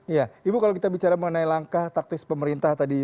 iya ibu kalau kita bicara mengenai langkah taktis pemerintah tadi